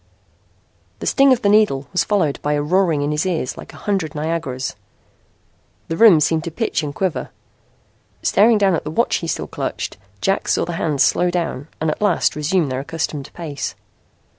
The sting of the needle was followed by a roaring in his ears like a hundred Niagaras. The room seemed to pitch and quiver. Staring down at the watch he still clutched, Jack saw the hands slow down and at last resume their accustomed pace.